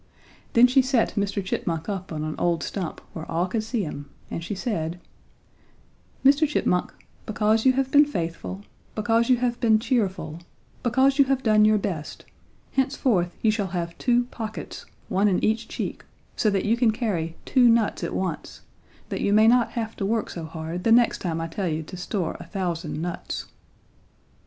Then she set Mr. Chipmunk up on an old stump where all could see him and she said: "'Mr. Chipmunk, because you have been faithful, because you have been cheerful, because you have done your best, henceforth you shall have two pockets, one in each cheek, so that you can carry two nuts at once, that you may not have to work so hard the next time I tell you to store a thousand nuts.'